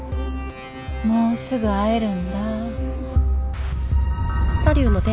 もうすぐ会えるんだ。